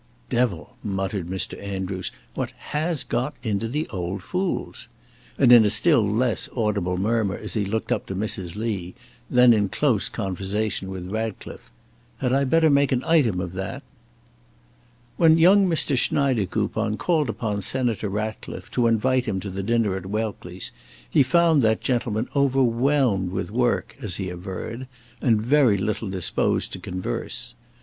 "Devil!" muttered Mr. Andrews; "what has got into the old fools?" and in a still less audible murmur as he looked up to Mrs. Lee, then in close conversation with Ratcliffe: "Had I better make an item of that?" When young Mr. Schneidekoupon called upon Senator Ratcliffe to invite him to the dinner at Welckley's, he found that gentleman overwhelmed with work, as he averred, and very little disposed to converse.